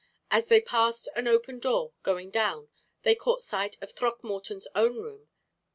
As they passed an open door, going down, they caught sight of Throckmorton's own room.